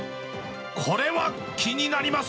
これは気になります。